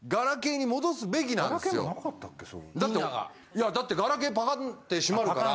いやだってガラケーパカッて閉まるから。